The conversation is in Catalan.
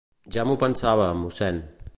Ja m'ho pensava, mossèn.